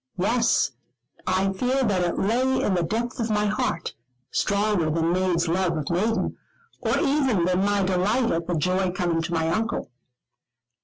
Yes, I fear that it lay in the depth of my heart, stronger than maid's love of maiden, or even than my delight at the joy coming to my Uncle.